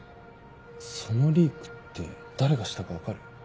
そのリークって誰がしたか分かる？